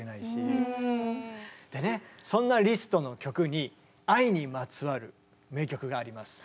でねそんなリストの曲に愛にまつわる名曲があります。